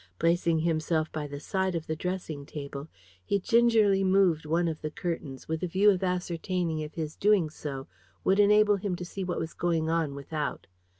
Placing himself by the side of the dressing table, he gingerly moved one of the curtains, with a view of ascertaining if his doing so would enable him to see what was going on without.